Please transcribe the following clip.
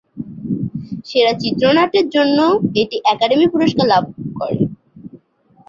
সেরা চিত্রনাট্যের জন্য এটি একাডেমি পুরস্কার লাভ করে।